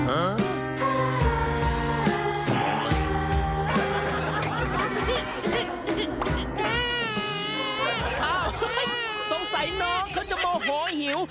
อ้าวสงสัยน้องเขาจะโมโหหิว